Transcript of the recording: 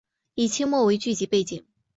以清末为剧集背景。